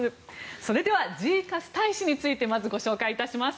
それではジーカス大使についてまずご紹介いたします。